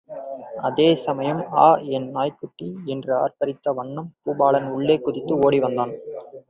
அதே சமயம், ஆ என் நாய்க்குட்டி என்று ஆர்ப்பரித்த வண்ணம் பூபாலன் உள்ளே குதித்து ஓடி வந்தான்.